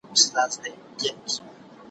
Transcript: زه به سبا د ژبي تمرين کوم!!